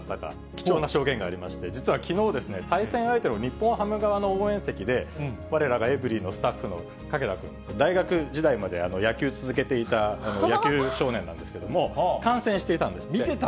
貴重な証言がありまして、実はきのう、対戦相手の日本ハム側の応援席で、われらがエブリィのスタッフの懸田君、大学時代まで野球続けていた野球少年なんですけれども、観戦して見てた？